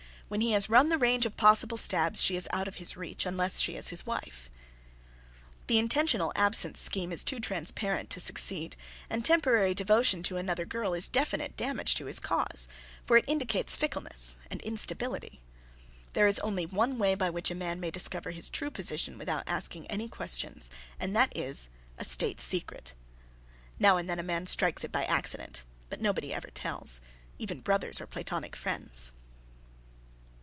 When he has run the range of possible stabs, she is out of his reach unless she is his wife. [Sidenote: A State Secret] The intentional absence scheme is too transparent to succeed, and temporary devotion to another girl is definite damage to his cause, for it indicates fickleness and instability. There is only one way by which a man may discover his true position without asking any questions, and that is a state secret. Now and then a man strikes it by accident, but nobody ever tells even brothers or platonic friends.